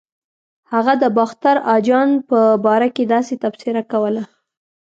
هغه د باختر اجان په باره کې داسې تبصره کوله.